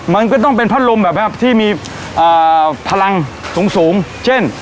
มันก็ต้องเป็นพัดลมแบบแบบที่มีเอ่อพลังสูงสูงเช่น